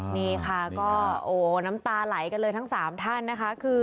นี่ค่ะก็โอ้น้ำตาไหลกันเลยทั้ง๓ท่านนะคะ